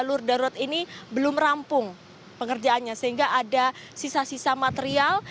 jalur darurat ini belum rampung pengerjaannya sehingga ada sisa sisa material